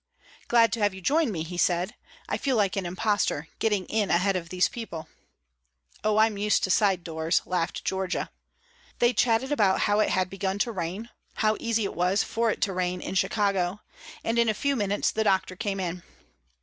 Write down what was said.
"Glad to have you join me," he said; "I feel like an imposter, getting in ahead of these people." "Oh, I'm used to side doors," laughed Georgia. They chatted about how it had begun to rain, how easy it was for it to rain in Chicago, and in a few minutes the doctor came in.